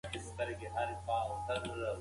آیا د عاید د زیاتوالي لپاره کومه طرحه لرې؟